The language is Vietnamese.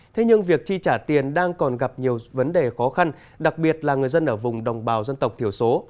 thế nhưng việc chi trả tiền đang còn gặp nhiều vấn đề khó khăn đặc biệt là người dân ở vùng đồng bào dân tộc thiểu số